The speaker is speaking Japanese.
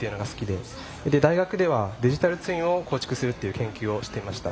で大学ではデジタルツインを構築するっていう研究をしていました。